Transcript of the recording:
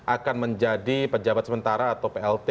akan menjadi pejabat sementara atau plt